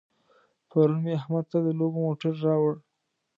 پرون مې احمد ته د لوبو موټر راوړ.